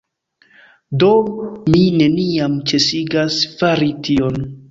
Do mi neniam ĉesigas fari tion